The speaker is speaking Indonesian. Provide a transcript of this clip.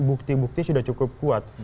bukti bukti sudah cukup kuat